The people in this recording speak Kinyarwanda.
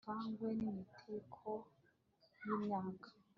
Ivangwe nimiteko yimyaka